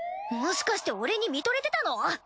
もしかして俺に見とれてたの？